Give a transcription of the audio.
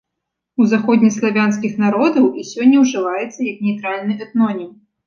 У заходнеславянскіх народаў і сёння ўжываецца як нейтральны этнонім.